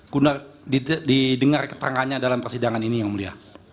guna didengar keterangannya dalam persidangan ini yang mulia